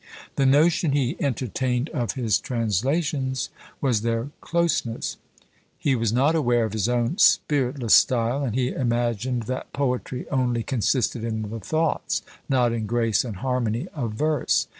The notion he entertained of his translations was their closeness; he was not aware of his own spiritless style; and he imagined that poetry only consisted in the thoughts, not in grace and harmony of verse.